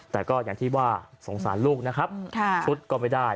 แต่ก็อย่างที่ว่าสงสารลูกนะครับชุดก็ไม่ได้